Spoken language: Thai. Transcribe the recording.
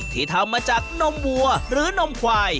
ทำมาจากนมวัวหรือนมควาย